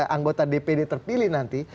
anggota dpd terpilih nanti